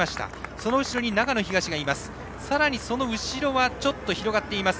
その後ろに長野東がいます。